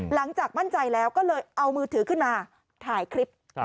หลังจากมั่นใจแล้วก็เลยเอามือถือขึ้นมาถ่ายคลิป